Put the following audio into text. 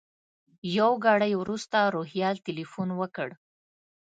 یو ګړی وروسته روهیال تیلفون وکړ.